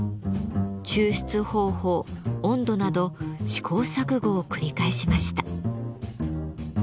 抽出方法温度など試行錯誤を繰り返しました。